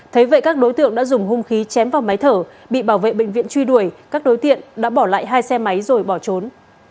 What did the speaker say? thế vậy các đối tượng đã dùng hung khí chém vào máy thở bị bảo vệ bệnh viện truy đuổi các đối tượng đã bỏ lại hai xe máy rồi bỏ trốn